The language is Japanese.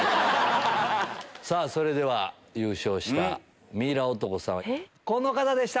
それでは優勝したミイラ男さんはこの方でした！